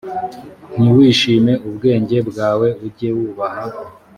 ntiwishime ubwenge bwawe ujye wubaha